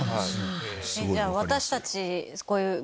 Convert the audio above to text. じゃあ私たち。